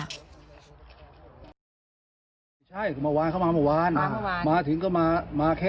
คุณยายเปิดเผยว่าคุณตาป่วยเป็นผู้ป่วยติดเตียงเป็นปีแล้วนะคะ